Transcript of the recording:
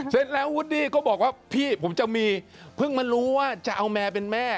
เสร็จแล้ววูดดี้ก็บอกว่าพี่ผมจะมีเพิ่งมารู้ว่าจะเอาแมวเป็นแม่